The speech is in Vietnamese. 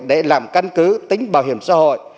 để làm căn cứ tính bảo hiểm xã hội